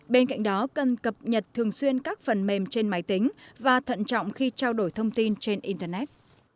bên cạnh đó cần cập nhật thường xuyên các phần mềm trên máy tính và thận trọng khi trao đổi thông tin trên internet